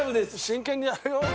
真剣にやるよ。